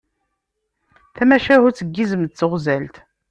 Tamacahut n yizem d teɣzalt.